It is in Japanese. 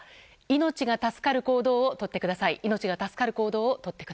命が助かる行動をとってください。